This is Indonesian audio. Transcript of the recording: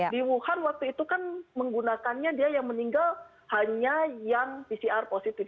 di wuhan waktu itu kan menggunakannya dia yang meninggal hanya yang pcr positif